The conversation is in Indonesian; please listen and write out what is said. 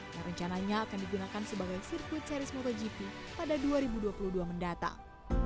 yang rencananya akan digunakan sebagai sirkuit series motogp pada dua ribu dua puluh dua mendatang